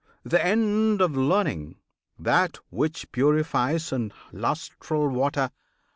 The end of Learning! That which purifies In lustral water!